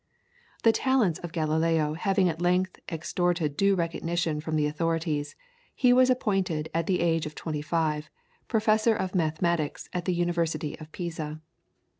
The talents of Galileo having at length extorted due recognition from the authorities, he was appointed, at the age of twenty five, Professor of Mathematics at the University of Pisa.